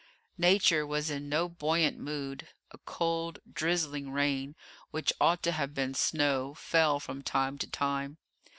Nature was in no buoyant mood. A cold, drizzling rain, which ought to have been snow, fell from time to time.